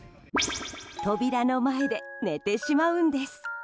扉の前で、寝てしまうんです。